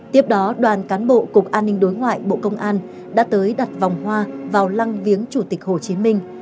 tiếp đó đoàn cán bộ cục an ninh đối ngoại bộ công an đã tới đặt vòng hoa vào lăng viếng chủ tịch hồ chí minh